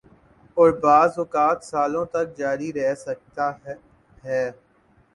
اوربعض اوقات سالوں تک جاری رہ سکتا ہی۔